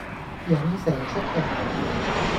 引蛇出洞